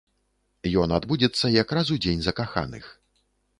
Ён адбудзецца якраз у дзень закаханых.